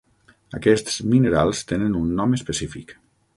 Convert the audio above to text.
Aquests minerals tenen un nom específic.